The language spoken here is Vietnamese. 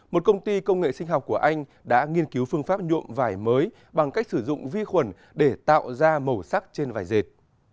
một công ty công nghệ sinh học của anh đã nghiên cứu phương pháp nhuộm vải mới bằng cách sử dụng vi khuẩn để tạo ra màu sắc trên vải dệt